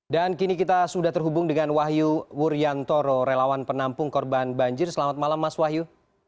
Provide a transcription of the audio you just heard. dan kini kita sudah terhubung dengan wahyu wuryantoro relawan penampung korban banjir selamat malam mas wahyu